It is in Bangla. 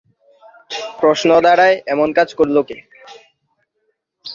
প্রশ্ন দাড়ায় এমন কাজ করলো কে?